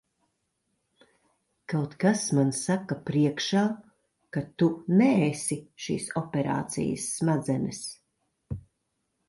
Kaut kas man saka priekšā, ka tu neesi šīs operācijas smadzenes.